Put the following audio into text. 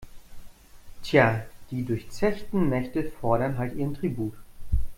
Tja, die durchzechten Nächte fordern halt ihren Tribut.